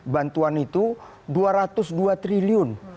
bantuan itu dua ratus dua triliun